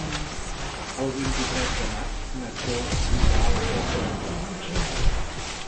El vint-i-tres de maig na Cora irà a la Pobla del Duc.